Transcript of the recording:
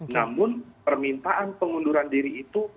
namun permintaan pengunduran diri itu